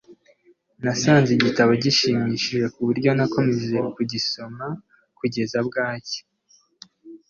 nasanze igitabo gishimishije kuburyo nakomeje kugisoma kugeza bwacya